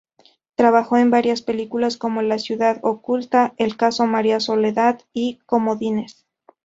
Trabajó en varias películas como "La ciudad oculta", "El caso María Soledad" y "Comodines".